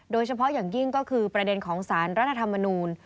โดยเฉพาะอย่างยิ่งก็คือประเด็นของสารรัฐธรรมนูล